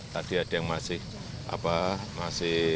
tadi ada yang masih tanah